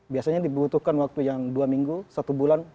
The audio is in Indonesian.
biasanya dibutuhkan waktu yang dua minggu satu bulan